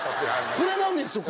これなんですよ！